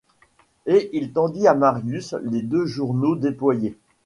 Et il tendit à Marius les deux journaux déployés.